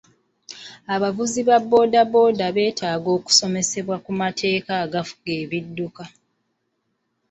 Abavuzi ba booda booda beetaaga okusomesebwa ku mateeka agafuga ebidduka.